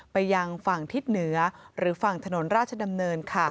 ไปยังฝั่งทิศเหนือหรือฝั่งถนนราชดำเนิน